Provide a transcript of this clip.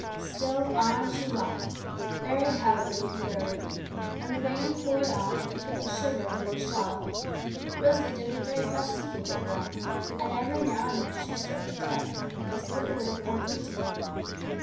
Still on she walked, very heavily and wearily, and the rain poured on, and the kitten shivered under the shawl. Rosalie did her very best to keep it warm, and every now and then she stroked its wet fur, and spoke a word of comfort to it.